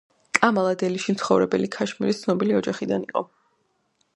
კამალა დელიში მაცხოვრებელი ქაშმირის ცნობილი ოჯახიდან იყო.